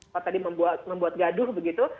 pak tadi membuat gaduh begitu